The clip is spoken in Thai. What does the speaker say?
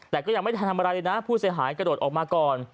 แต่ก็ยังไม่ทันทำอะไรเลยนะผู้เสียหายกระโดดออกมาก่อน